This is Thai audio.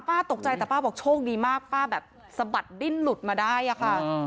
ตกใจแต่ป้าบอกโชคดีมากป้าแบบสะบัดดิ้นหลุดมาได้อะค่ะ